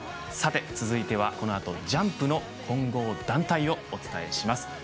さて続いてはこの後ジャンプの混合団体をお伝えします。